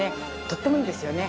とってもいいんですよね。